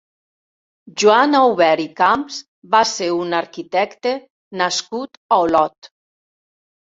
Joan Aubert i Camps va ser un arquitecte nascut a Olot.